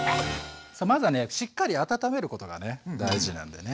さあまずはねしっかり温めることがね大事なんだよね。